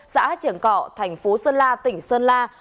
xã triển cọ tp sơn la tỉnh sơn la